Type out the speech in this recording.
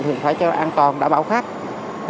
thì phải cho an toàn đảm bảo khách